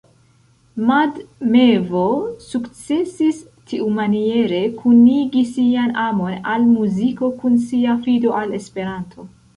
Mad Mevo sukcesis tiumaniere kunigi sian amon al muziko kun sia fido al Esperanto.